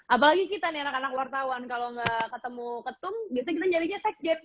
apalagi kita nih anak anak wartawan kalau gak ketemu ketum biasa kita jadinya sekjen